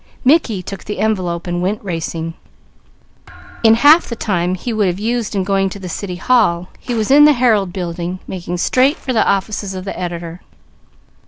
Mickey took the envelope and went racing. In half the time he would have used in going to the City Hall he was in the Herald Building, making straight for the office of the editor.